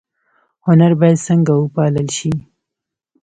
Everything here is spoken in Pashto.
هنر باید څنګه وپال ل شي؟